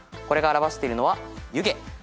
これが表しているのは湯気。